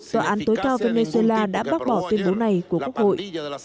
tòa án tối cao venezuela đã bác bỏ tuyên bố này của quốc hội